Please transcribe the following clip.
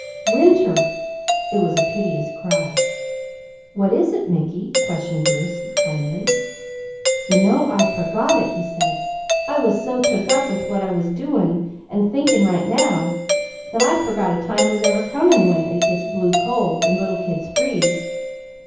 "Winter!" It was a piteous cry. "What is it, Mickey?" questioned Bruce kindly. "You know I forgot it," he said. "I was so took up with what I was doing, and thinking right now, that I forgot a time ever was coming when it gets blue cold, and little kids freeze.